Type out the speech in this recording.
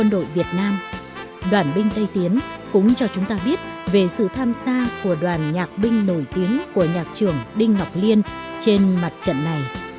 đoàn binh tây tiến cũng cho chúng ta biết về sự tham gia của đoàn nhạc binh nổi tiếng của nhạc trưởng đinh ngọc liên trên mặt trận này